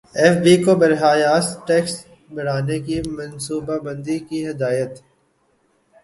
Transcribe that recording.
F B کو براہ راست ٹیکس بڑھانے کی منصوبہ بندی کی ہدایت